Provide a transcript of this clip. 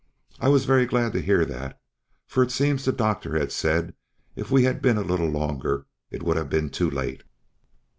I was very glad to hear that, for it seems the doctor had said if we had been a little longer it would have been too late.